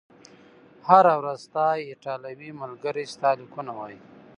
هره ورځ، ستا ایټالوي ملګري ستا لیکونه وایي؟